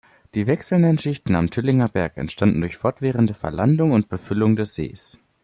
Die wechselnden Schichten am Tüllinger Berg entstanden durch fortwährende Verlandung und Befüllung des Sees.